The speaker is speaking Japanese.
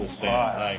はい。